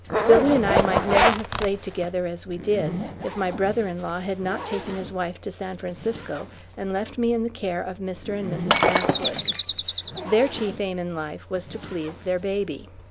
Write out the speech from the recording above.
Billy and I might never have played together as we did, if my brother in law had not taken his wife to San Francisco and left me in the care of Mr. and Mrs. Packwood. Their chief aim in life was to please their baby.